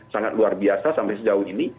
sangat luar biasa sampai sejauh ini